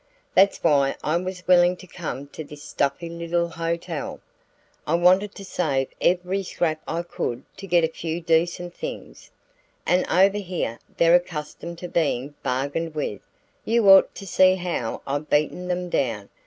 That's why I was willing to come to this stuffy little hotel I wanted to save every scrap I could to get a few decent things. And over here they're accustomed to being bargained with you ought to see how I've beaten them down!